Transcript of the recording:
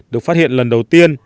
được phát hiện lần đầu tiên